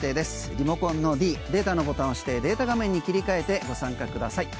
リモコンのｄデータのボタン押してデータ画面に切り替えてご参加ください。